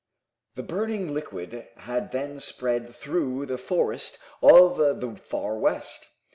The burning liquid had then spread through the forest of the Far West.